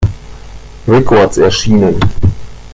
Records erschienen.